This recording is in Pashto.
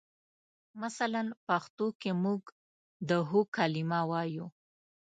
مثلاً پښتو کې موږ د هو کلمه وایو.